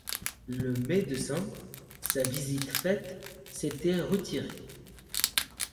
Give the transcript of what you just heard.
Le médecin, sa visite faite, s’était retiré.